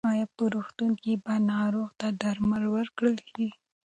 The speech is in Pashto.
ایا په روغتون کې به ناروغ ته درمل ورکړل شي؟